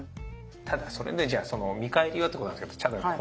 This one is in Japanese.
ただそれでじゃあその「見返りは」ってことなんですけどこの方